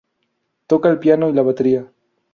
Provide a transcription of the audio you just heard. Toca el piano y la batería.